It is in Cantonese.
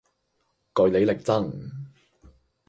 據理力爭